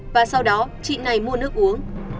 và sau đó chị này mua nước uống